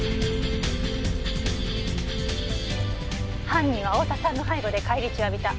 犯人は青田さんの背後で返り血を浴びた。